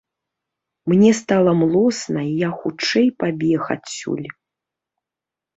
Мне стала млосна і я хутчэй пабег адсюль.